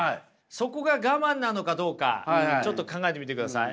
そこが我慢なのかどうかちょっと考えてみてください。